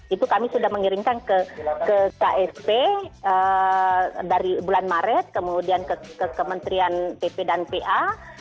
itu kami sudah mengirimkan ke ksp dari bulan maret kemudian ke kementerian pp dan pa